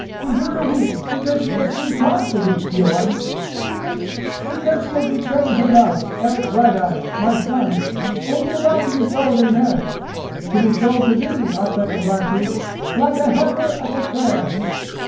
"Gudruda weeps because she has good cause to weep, Björn. She weeps because she has betrayed her love, Eric Brighteyes, my son, and is about to be sold in marriage—to be sold to thee, Ospakar Blacktooth, like a heifer at a fair."